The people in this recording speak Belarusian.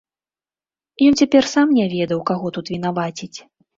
Ён цяпер сам не ведаў, каго тут вінаваціць.